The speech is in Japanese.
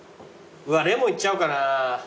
レモンいっちゃおうかな。